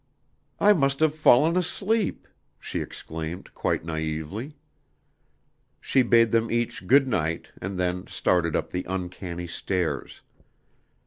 "I must have fallen asleep!" she exclaimed quite naively. She bade them each "Good night," and then started up the uncanny stairs.